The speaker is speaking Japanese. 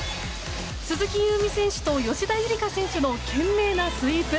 鈴木夕湖選手と吉田夕梨花選手の懸命なスイープ。